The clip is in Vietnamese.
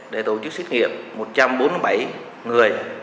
để tổ chức xét nghiệm một trăm bốn mươi bảy người